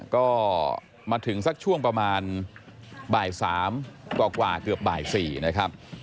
ก็มาถึงสักช่วงประมาณบ่าย๓กว่าเกือบบ่าย๔นะครับ